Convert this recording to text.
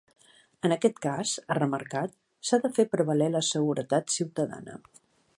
En aquest cas –ha remarcat– s’ha de fer prevaler la seguretat ciutadana.